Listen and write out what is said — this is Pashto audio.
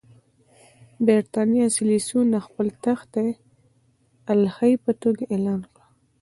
برېټانیا سیریلیون د خپل تحت الحیې په توګه اعلان کړ.